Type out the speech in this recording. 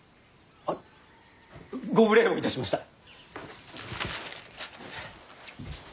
あっご無礼をいたしました。